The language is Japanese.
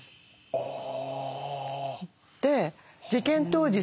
ああ。